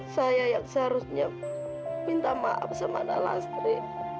saya yang seharusnya minta maaf sama nalastri